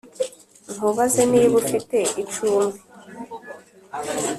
nkubaze niba ufite icumbi